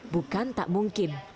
bukan tak mungkin